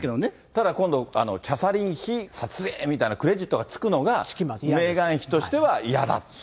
ただ、今度、キャサリン妃撮影みたいなクレジットがつくのがメーガン妃としては嫌だと。